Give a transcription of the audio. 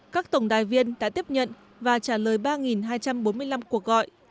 các tổng đài viên đã tiếp nhận và trả lời ba hai trăm bốn mươi năm cuộc gọi